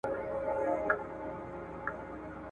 هم ښکرونه هم یې پښې پکښی لیدلې ,